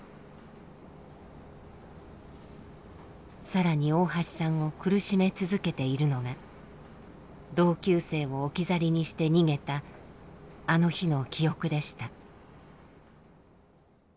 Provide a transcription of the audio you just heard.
更に大橋さんを苦しめ続けているのが同級生を置き去りにして逃げたあの日の記憶でした。